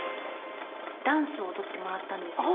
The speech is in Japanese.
ダンスを踊ってもらったんですよ。